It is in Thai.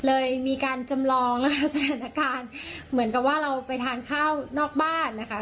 เลยมีการจำลองแล้วก็สถานการณ์เหมือนกับว่าเราไปทานข้าวนอกบ้านนะคะ